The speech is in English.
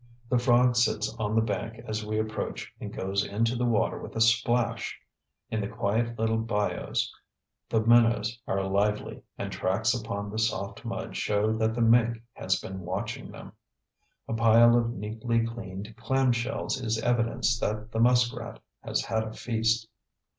The frog sits on the bank as we approach and goes into the water with a splash. In the quiet little bayous the minnows are lively, and tracks upon the soft mud show that the mink has been watching them. A pile of neatly cleaned clam shells is evidence that the muskrat has had a feast.